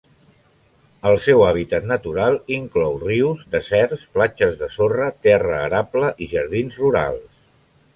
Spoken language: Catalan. El seu hàbitat natural inclou rius, deserts, platges de sorra, terra arable i jardins rurals.